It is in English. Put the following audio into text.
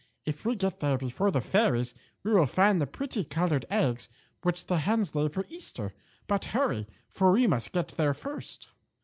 If we get there before the fairies we will find the pretty colored eggs which the hens lay for Easter. But hurry, for we must get there first."